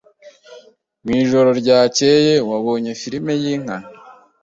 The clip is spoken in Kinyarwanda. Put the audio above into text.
Mwijoro ryakeye wabonye firime yinka?